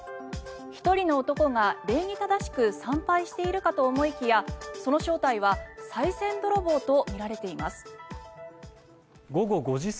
１人の男が礼儀正しく参拝しているかと思いきやその正体はさい銭泥棒とみられています。